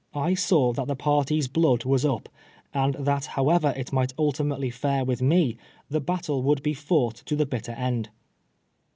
I saw that the party's blood was up, and that however it might ultimately fare with me, the battle would be fought to the bitter end.